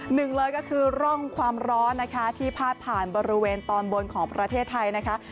หนึ่งเลยก็คือร่องความร้อนนะคะที่พาดผ่านบริเวณตอนบนของประเทศไทยนะคะ